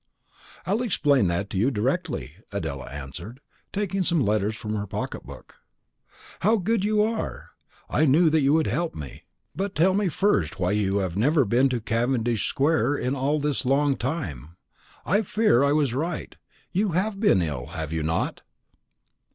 "I'll explain that to you directly," Adela answered, taking some letters from her pocket book. "How good you are! I knew that you would help me; but tell me first why you have never been to Cavendish square in all this long time. I fear I was right; you have been ill, have you not?"